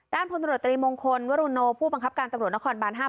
พลตรวจตรีมงคลวรุโนผู้บังคับการตำรวจนครบาน๕